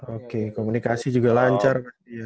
oke komunikasi juga lancar